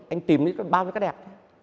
anh tìm thấy có bao nhiêu cái đẹp